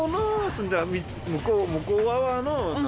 向こうの。